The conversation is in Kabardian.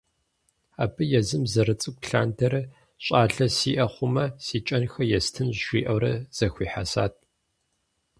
Абы езым зэрыцӏыкӏу лъандэрэ, щӀалэ сиӀэ хъумэ си кӀэнхэр естынущ жиӀэурэ зэхуихьэсат.